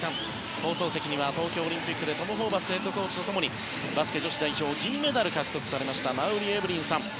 放送席には東京オリンピックでトム・ホーバスヘッドコーチと共にバスケ女子代表で銀メダル獲得されました馬瓜エブリンさんです。